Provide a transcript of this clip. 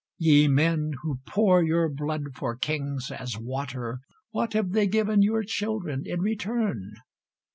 Ye men, who pour your blood for kings as water, What have they given your children in return?